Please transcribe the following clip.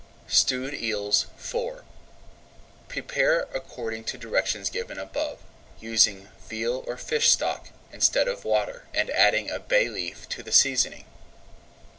STEWED EELS IV Prepare according to directions given above, using veal or fish stock, instead of water, and adding a bay leaf to the seasoning.